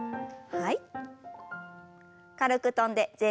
はい。